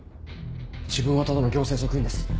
自分はただの行政職員です。